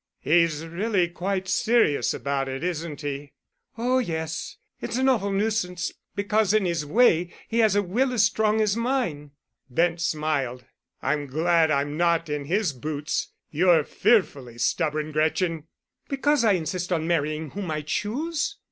"He's really quite serious about it, isn't he?" "Oh, yes. It's an awful nuisance, because, in his way, he has a will as strong as mine." Bent smiled. "I'm glad I'm not in his boots. You're fearfully stubborn, Gretchen." "Because I insist on marrying whom I choose?"